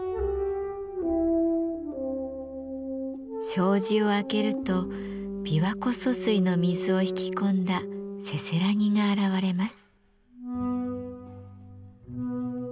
障子を開けると琵琶湖疏水の水を引き込んだせせらぎが現れます。